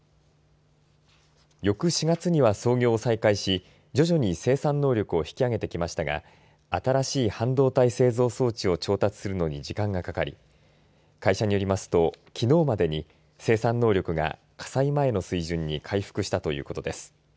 翌４月には操業を再開し徐々に生産能力を引き上げてきましたが新しい半導体製造装置を調達するのに時間がかかり会社によりますと、きのうまでに生産能力が火災前の水準に回復したということです。